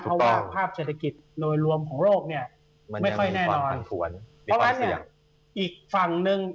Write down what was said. เพราะว่าภาพเศรษฐกิจโดยรวมของโลกเนี่ยไม่ค่อยแน่นอนเพราะฉะนั้นเนี่ยอีกฝั่งหนึ่ง